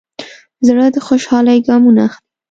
زړه د خوشحالۍ ګامونه اخلي.